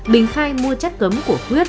bình khai mua chất cấm của quyết